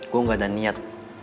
gue gak ada niat